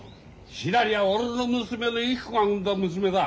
しらりは俺の娘のゆき子が産んだ娘だ。